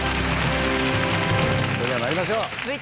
それでは参りましょう。